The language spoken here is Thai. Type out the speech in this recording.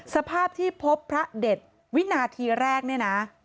สภาพที่พบพระเด็ดวินาทีแรกเนี่ยนะ